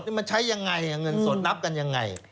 นี่มันใช้ยังไงเงินสดนับกันยังไง